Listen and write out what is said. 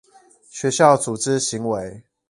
學校組織行為